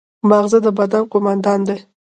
ماغزه د بدن قوماندان دی